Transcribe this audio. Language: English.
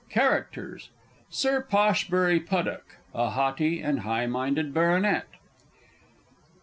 _ CHARACTERS. _Sir Poshbury Puddock (a haughty and high minded Baronet).